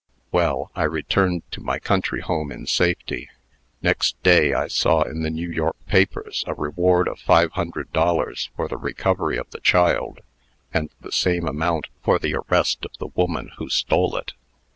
"Well, I returned to my country home in safety. Next day, I saw in the New York papers a reward of five hundred dollars for the recovery of the child, and the same amount for the arrest of the woman who stole it.